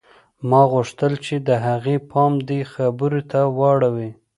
ما غوښتل چې د هغې پام دې خبرې ته واوړي